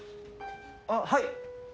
あっはい！